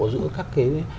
giữa các cái